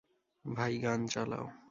ভাই, গান চালাও।